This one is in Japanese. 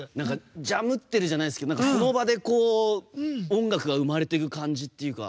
ジャムってるじゃないですけど、その場で音楽が生まれていく感じというか。